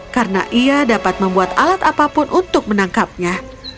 karena ia dapat membuat alat apapun untuk menangkapnya